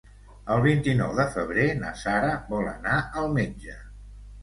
El vint-i-nou de febrer na Sara vol anar al metge.